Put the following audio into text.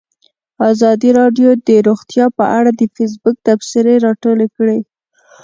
ازادي راډیو د روغتیا په اړه د فیسبوک تبصرې راټولې کړي.